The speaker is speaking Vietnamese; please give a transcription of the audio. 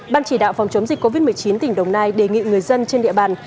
ban chỉ đạo phòng chống dịch covid một mươi chín tỉnh đồng nai đề nghị người dân trên địa bàn